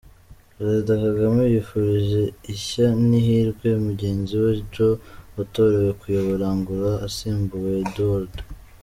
Perezida Kagame yifurije ishya n’ihirwe mugenzi we Joao watorewe kuyobora Angola asimbuye Eduardo.